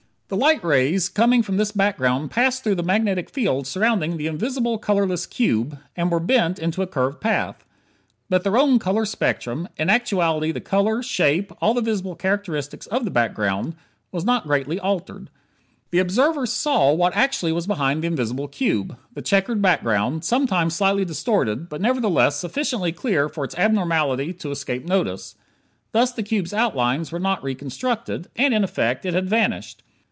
The light rays coming from this background passed through the magnetic field surrounding the invisible colorless cube, and were bent into a curved path. But their own color spectrum in actuality the color, shape, all the visible characteristics of the background was not greatly altered. The observer saw what actually was behind the invisible cube: the checkered background, sometimes slightly distorted, but nevertheless sufficiently clear for its abnormality to escape notice. Thus the cube's outlines were not reconstructed; and, in effect, it had vanished.